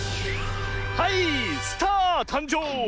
はいスターたんじょう！